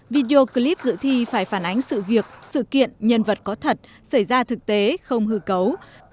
video clip dự thi phải phản ánh sự việc sự kiện nhân vật có thật xảy ra thực tế không hư cấu